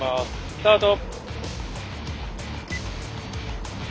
スタート！